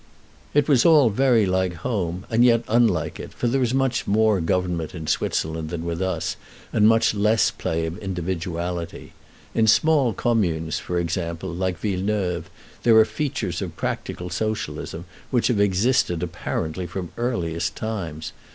It was all very like home, and yet unlike it, for there is much more government in Switzerland than with us, and much less play of individuality. In small communes, for example, like Villeneuve, there are features of practical socialism, which have existed apparently from the earliest times.